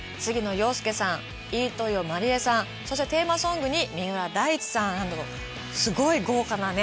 遥亮さん飯豊まりえさんそしてテーマソングに三浦大知さんなどのすごい豪華なね